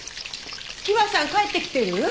希和さん帰ってきてる？